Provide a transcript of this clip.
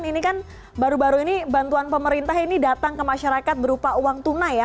ini kan baru baru ini bantuan pemerintah ini datang ke masyarakat berupa uang tunai ya